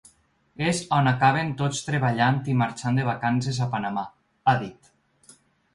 És on acaben tots treballant i marxant de vacances a Panamà, ha dit.